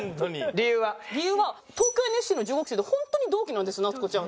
理由は東京ＮＳＣの１５期生でホントに同期なんです夏子ちゃん。